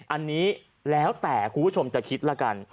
อันนี้แล้วแต่คุณผู้ชมจะคิดแล้วกัน